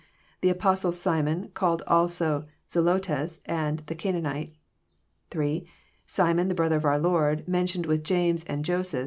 The Apostle Simon, called also Zelotes, and the Canaanite. 8. Simon the brother of our Lord, mentioned with James and Joses.